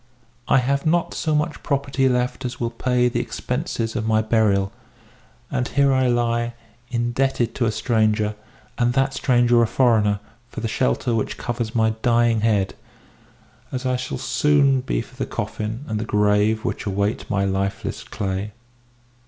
I have not so much property left as will pay the expenses of my burial; and here I lie, indebted to a stranger, and that stranger a foreigner, for the shelter which covers my dying head, as I soon shall be for the coffin and the grave which await my lifeless clay."